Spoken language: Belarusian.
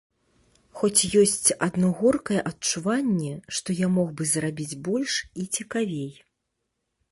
Хоць ёсць адно горкае адчуванне, што я мог бы зрабіць больш і цікавей.